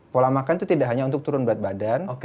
pola makan itu tidak hanya untuk turun berat badan